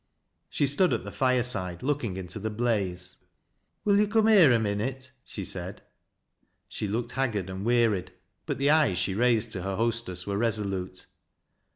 She stood at the fireside, look ing into the blaze. " Will you come here a minnit ?" she said. She looked haggard and wearied, but the eyes she raised to her hostess were resolute.